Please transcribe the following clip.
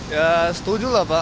ya setuju lah pak